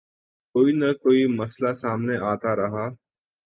کوئی نہ کوئی مسئلہ سامنے آتا رہا۔